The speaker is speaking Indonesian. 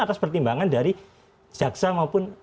atas pertimbangan dari jaksa maupun